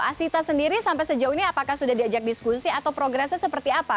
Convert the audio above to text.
asita sendiri sampai sejauh ini apakah sudah diajak diskusi atau progresnya seperti apa